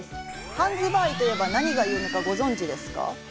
ハンズバーイといえば、何が有名か、ご存じですか？